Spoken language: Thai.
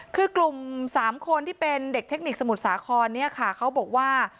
คือกลุ่ม๓คนที่เป็นเด็กเทคนิคสมุทรสาครเนี่ยค่ะเขาบอกว่า